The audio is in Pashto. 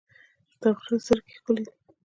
د غره زرکې ښکلې دي